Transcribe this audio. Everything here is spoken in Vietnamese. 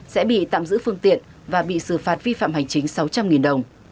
sẽ bị tạm giữ phương tiện và bị xử phạt vi phạm hành chính sáu trăm linh đồng